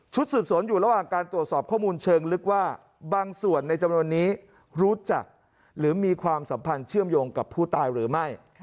สืบสวนอยู่ระหว่างการตรวจสอบข้อมูลเชิงลึกว่าบางส่วนในจำนวนนี้รู้จักหรือมีความสัมพันธ์เชื่อมโยงกับผู้ตายหรือไม่